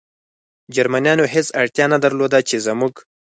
جرمنیانو هېڅ اړتیا نه درلوده، چې زموږ.